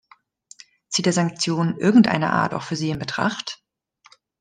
Zieht er Sanktionen irgendeiner Art auch für sie in Betracht?